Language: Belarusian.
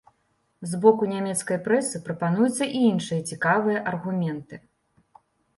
З боку нямецкай прэсы прапануюцца і іншыя цікавыя аргументы.